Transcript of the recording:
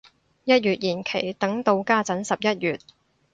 一月延期等到家陣十一月